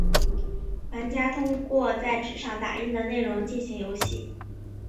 玩家通过在纸上打印的内容进行游戏。